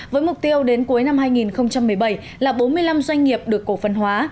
với mục tiêu đến cuối năm hai nghìn một mươi bảy là bốn mươi năm doanh nghiệp được cổ phần hóa